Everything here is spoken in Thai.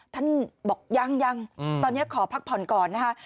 ท่านบอกยังยังตอนนี้ขอพักผ่อนก่อนนะคะ